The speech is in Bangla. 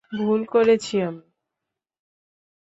ভুল করেছি আমি।